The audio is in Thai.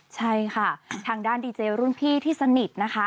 ใช่ค่ะทางด้านดีเจรุ่นพี่ที่สนิทนะคะ